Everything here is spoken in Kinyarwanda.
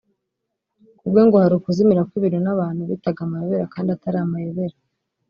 Kubwe ngo hari ukuzimira kw’ibintu n’abantu bitaga amayobera kandi atari amayobera